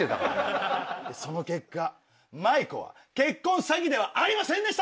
その結果マイコは結婚詐欺ではありませんでした！